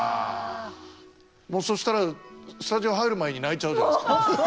もうそしたらスタジオ入る前に泣いちゃうじゃないですか。